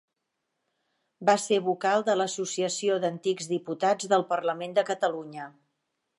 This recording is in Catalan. Va ser vocal de l'Associació d'Antics Diputats del Parlament de Catalunya.